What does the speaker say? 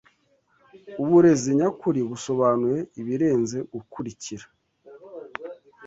Uburezi nyakuri busobanuye ibirenze gukurikira